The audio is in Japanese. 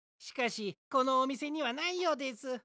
しかしこのおみせにはないようです。